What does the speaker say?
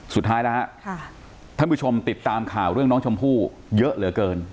สุดท้ายแล้วฮะท่านผู้ชมติดตามข่าวเรื่องน้องชมพู่เยอะเหลือเกิน